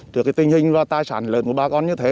trước tình hình và tài sản lớn của bà con như thế